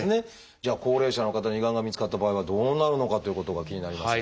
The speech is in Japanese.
じゃあ高齢者の方に胃がんが見つかった場合はどうなるのかということが気になりますが。